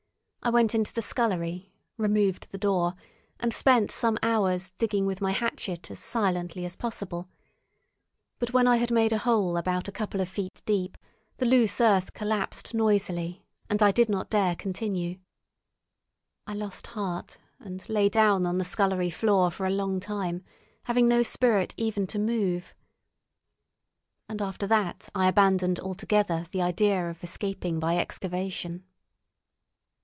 I went into the scullery, removed the door, and spent some hours digging with my hatchet as silently as possible; but when I had made a hole about a couple of feet deep the loose earth collapsed noisily, and I did not dare continue. I lost heart, and lay down on the scullery floor for a long time, having no spirit even to move. And after that I abandoned altogether the idea of escaping by excavation.